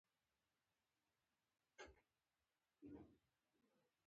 انحصار په خپل ځای پاتې شي.